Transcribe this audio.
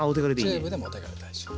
チューブでもお手軽大丈夫。